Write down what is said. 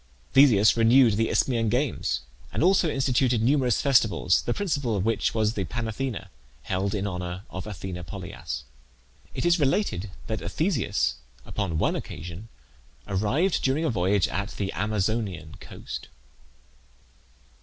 Theseus renewed the Isthmian Games, and also instituted numerous festivals, the principal of which was the Panathenaea, held in honour of Athene Polias. It is related that Theseus upon one occasion arrived during a voyage at the Amazonian coast.